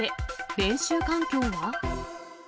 練習環境は？